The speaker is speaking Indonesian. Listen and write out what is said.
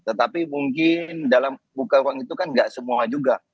tetapi mungkin dalam buka uang itu kan nggak semua juga